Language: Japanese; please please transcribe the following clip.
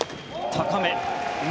高め。